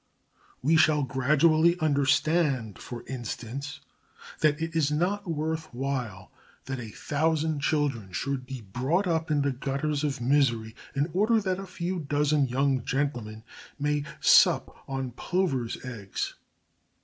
We shall gradually understand, for instance, that it is not worth while that a thousand children should be brought up in the gutters of misery in order that a few dozen young gentlemen may sup on plovers' eggs.